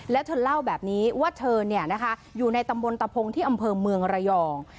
แล้วเธอเล่าแบบนี้ว่าเธออยู่ในตำบลตะพงที่อำเภอเมืองระยอง